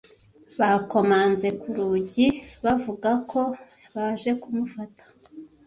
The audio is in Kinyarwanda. bakomanze ku rugi bavuga ko baje kumufata